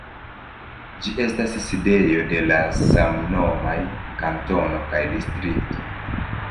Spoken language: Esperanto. Ĝi estas sidejo de la samnomaj kantono kaj distrikto.